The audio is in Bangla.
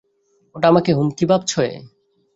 ওটা আমাকেই হুমকি ভাবছে।